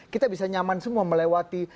kita bisa nyaman semua melewati